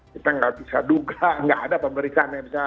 kita tidak bisa duga tidak ada pemberitaan yang bisa